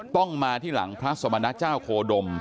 ต้องมาที่หลังพระสมณเจ้าโคดม